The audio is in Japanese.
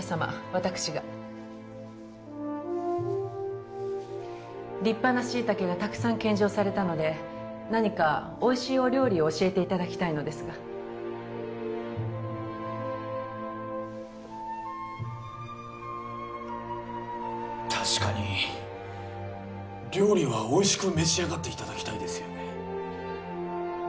私がりっぱなシイタケがたくさん献上されたので何かおいしいお料理を教えていただきたいのですが確かに料理はおいしく召し上がっていただきたいですね